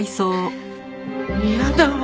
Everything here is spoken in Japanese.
嫌だわ。